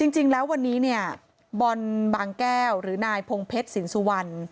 จริงแล้ววันนี้เนี่ยบอลบางแก้วหรือนายพงเพชรสินสุวรรณ